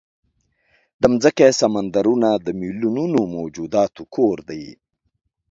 د مځکې سمندرونه د میلیونونو موجوداتو کور دی.